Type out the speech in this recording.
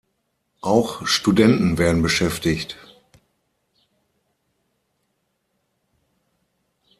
Auch Studenten werden beschäftigt.